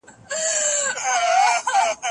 هغه د ګټورو نوښتونو ملاتړ کاوه.